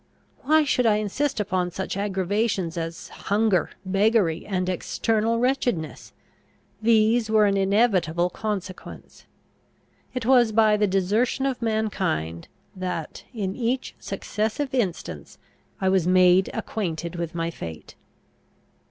Why should I insist upon such aggravations as hunger, beggary, and external wretchedness? These were an inevitable consequence. It was by the desertion of mankind that, in each successive instance, I was made acquainted with my fate.